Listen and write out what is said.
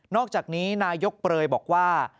อกจากนี้นายกเปลยบอกว่า